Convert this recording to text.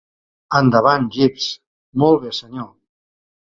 "Endavant, Jeeves". "Molt bé, senyor".